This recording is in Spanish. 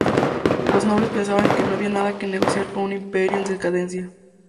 Los nobles pensaban que no había nada que negociar con un imperio en decadencia.